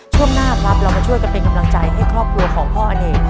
ช่วงหน้าครับเรามาช่วยกันเป็นกำลังใจให้ครอบครัวของพ่ออเนก